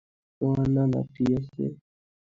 তোর না নাতি আছে?